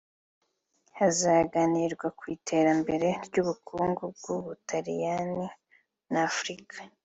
Hazaganirwa ku iterambere ry’ubukungu bw’u Butaliyani na Afurika